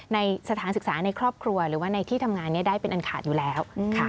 ในสถานศึกษาในครอบครัวหรือว่าในที่ทำงานนี้ได้เป็นอันขาดอยู่แล้วค่ะ